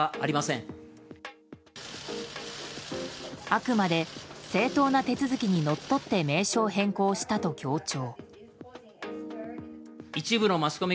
あくまで正当な手続きにのっとって名称変更したと強調。